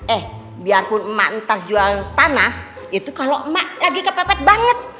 eh biarpun mak entah jual tanah itu kalo mak lagi kepepet banget